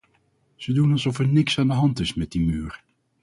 Ze doen alsof er niks aan de hand is met die muur.